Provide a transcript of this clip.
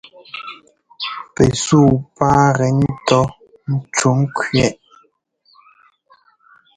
Pɛ suu pá gɛ ńtɔ́ ntsuŋkẅɛʼ.